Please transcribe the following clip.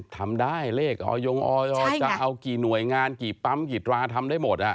ทำได้เลขออยงออยจะเอากี่หน่วยงานกี่ปั๊มกีตราทำได้หมด